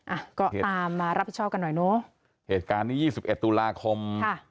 อ่ะก็ตามมารับผิดชอบกันหน่อยเนอะเหตุการณ์นี้ยี่สิบเอ็ดตุลาคมค่ะ